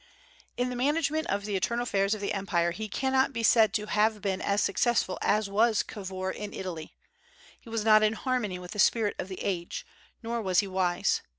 In the management of the internal affairs of the empire he cannot be said to have been as successful as was Cavour in Italy. He was not in harmony with the spirit of the age, nor was he wise.